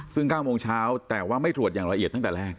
ซึ่ง๙โมงเช้าแต่ว่าไม่ตรวจอย่างละเอียดตั้งแต่แรก